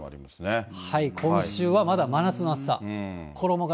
今週はまだ真夏の暑さ。